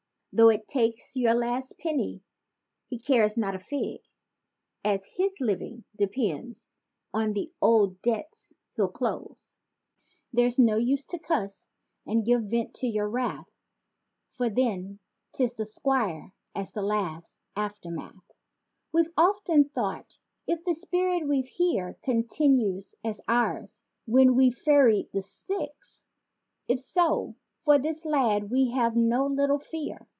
Though it takes your last penny, he cares not a fig, As his living depends on the old debts he'll close. There's no use to cuss and give vent to your wrath, For then, 'tis "the Squire" as the last aftermath. We've oftentimes thought: 'If the spirit we've here Continues as ours when we've ferried the Styx!' If so, for this lad we have no little fear.